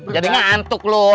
jadi ngantuk lo